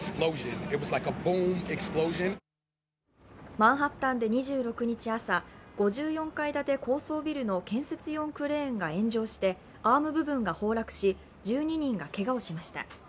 マンハッタンで２６日朝、５４階建て高層ビルの建設用クレーンが炎上してアーム部分が崩落し１２人がけがをしました。